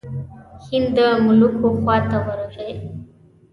هند د ملوکو خواته ورغی.